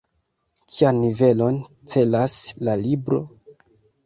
Kian nivelon celas la libro?